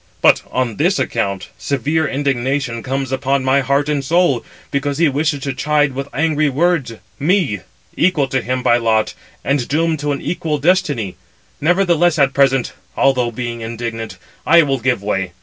But on this account severe indignation comes upon my heart and soul, because he wishes to chide with angry words me, equal to him by lot, and doomed to an equal destiny. Nevertheless, at present, although being indignant, I will give way.